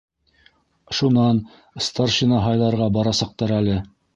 Шунан старшина һайларға барасаҡтар әле.